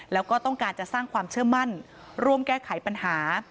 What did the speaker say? แล้วก็ต้องการจะสร้างความเชื่อมั่นร่วมแก้ไขปัญหา